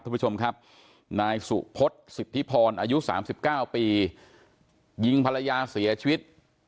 ท่านผู้ชมครับนายสุพฤษสิบทิพรอายุสามสิบเก้าปียิงภรรยาเสียชีวิต